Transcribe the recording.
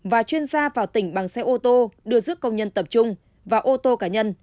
và chuyên gia vào tỉnh bằng xe ô tô đưa dứt công nhân tập trung vào ô tô cá nhân